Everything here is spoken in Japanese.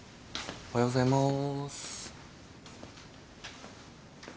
・おはようございます。